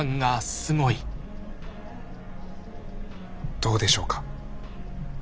どうでしょうか？